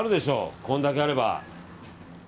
こんだけあれば。